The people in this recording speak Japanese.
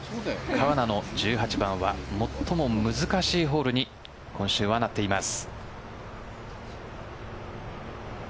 川奈の１８番は最も難しいホールに今週はなっています。